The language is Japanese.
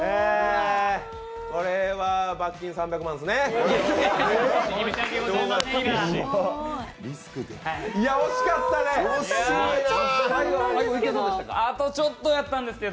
これは罰金３００万ですね。